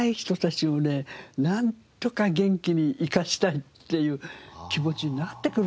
なんとか元気に生かしたいっていう気持ちになってくるんですよね